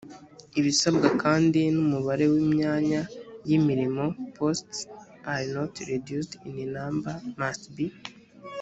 ibisabwa kandi n umubare w imyanya y imirimo posts are not reduced in number must be